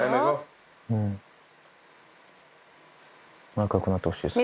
仲よくなってほしいっすね。